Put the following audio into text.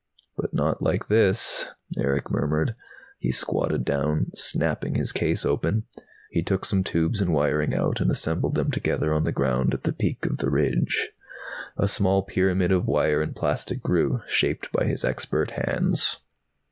"But not like this," Erick murmured. He squatted down, snapping his case open. He took some tubes and wiring out and assembled them together on the ground, at the peak of the ridge. A small pyramid of wire and plastic grew, shaped by his expert hands.